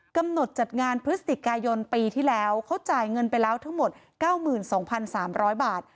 จัดงานพฤศจิกายนปีที่แล้วเขาจ่ายเงินไปแล้วทั้งหมด๙๒๓๐๐บาท